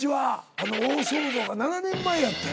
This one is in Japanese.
あの大騒動が７年前やったんや。